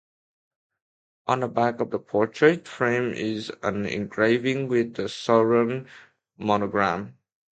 On the back of the portrait frame is an engraving with the sovereign's monogram.